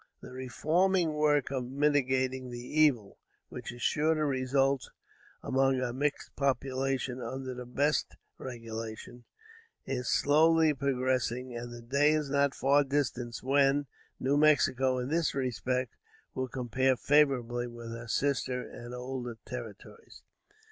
The reforming work of mitigating the evil, which is sure to result among a mixed population under the best regulations, is slowly progressing, and the day is not far distant, when New Mexico, in this respect, will compare favorable with her sister (and older) territories.